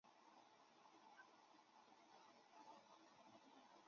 云南野扇花为黄杨科野扇花属的植物。